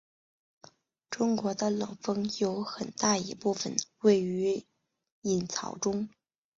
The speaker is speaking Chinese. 中国的冷锋有很大一部分位于隐槽中。